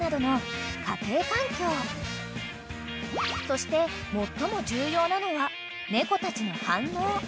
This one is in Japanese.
［そして最も重要なのは猫たちの反応］